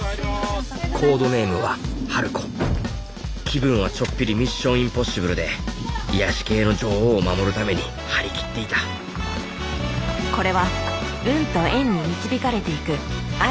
気分はちょっぴり「ミッション：インポッシブル」で癒やし系の女王を守るために張り切っていたこれは運と縁に導かれていくある俳優の人生の物語。